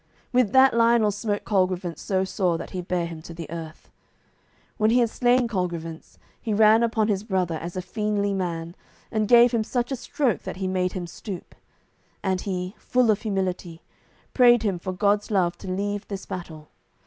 With that Lionel smote Colgrevance so sore that he bare him to the earth. When he had slain Colgrevance, he ran upon his brother as a fiendly man, and gave him such a stroke that he made him stoop; and he, full of humility, prayed him for God's love to leave this battle.